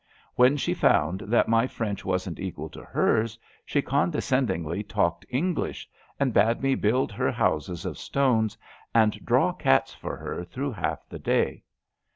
When she found that my French wasn^t equal to hers she condescendingly talked English and bade me build her houses of stones and draw cats for her through half the day.